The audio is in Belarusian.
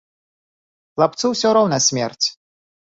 Хлапцу ўсё роўна смерць.